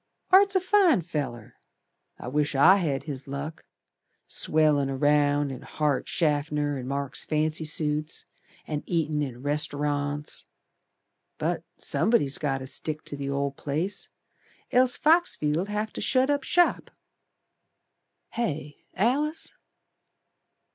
"Art's a fine feller. I wish I had his luck. Swellin' round in Hart, Schaffner & Marx fancy suits, And eatin' in rest'rants. But somebody's got to stick to the old place, Else Foxfield'd have to shut up shop, Hey, Alice?"